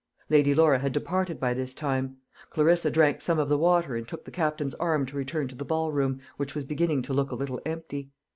Lady Laura had departed by this time. Clarissa drank some of the water and took the Captain's arm to return to the ball room, which was beginning to look a little empty.